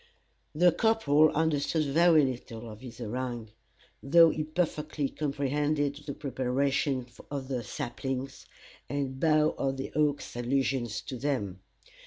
The corporal understood very little of this harangue, though he perfectly comprehended the preparations of the saplings, and Bough of the Oak's allusions to them.